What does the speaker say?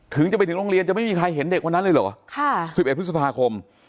จะไปถึงโรงเรียนจะไม่มีใครเห็นเด็กวันนั้นเลยเหรอ๑๑พฤษภาคม